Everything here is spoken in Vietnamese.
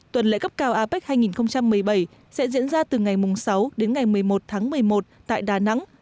tuần lễ cấp cao apec hai nghìn một mươi bảy sẽ diễn ra từ ngày sáu đến ngày một mươi một tháng một mươi một tại đà nẵng